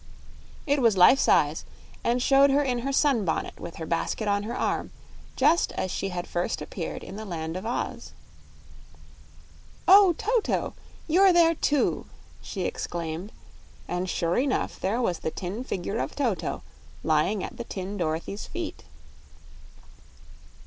It was life size and showed her in her sunbonnet with her basket on her arm, just as she had first appeared in the Land of Oz. "Oh, Toto you're there too!" she exclaimed; and sure enough there was the tin figure of Toto lying at the tin Dorothy's feet.